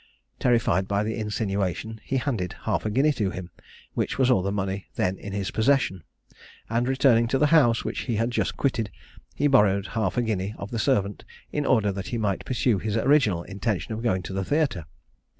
Terrified by the insinuation, he handed half a guinea to him, which was all the money then in his possession, and returning to the house which he had just quitted, he borrowed half a guinea of the servant, in order that he might pursue his original intention of going to the theatre.